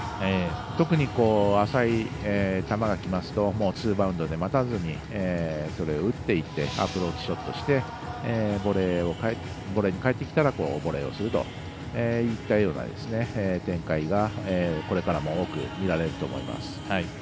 特に浅い球がきますとツーバウンドで待たずにそれを打っていってアプローチショットしてボレーで返ってきたらボレーをするといったような展開がこれからも、多く見られると思います。